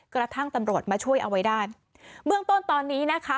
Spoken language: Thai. กระทั่งตำรวจมาช่วยเอาไว้ได้เบื้องต้นตอนนี้นะคะ